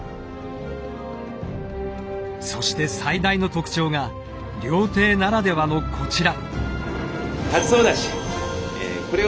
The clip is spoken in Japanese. そして最大の特徴が料亭ならではのこちら。